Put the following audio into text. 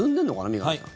三上さん。